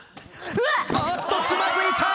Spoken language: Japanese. あっとつまずいた！